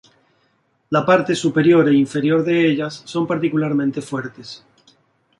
La parte superior e inferior de ellas son particularmente fuertes.